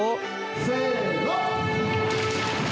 せの！